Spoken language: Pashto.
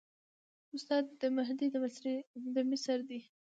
استاد مهدي د مصر دی.